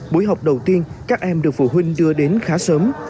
buổi học đầu tiên các em được phụ huynh đưa đến khá sớm